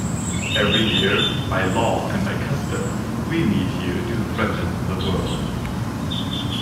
Every year, by law and by custom, we meet here to threaten the world.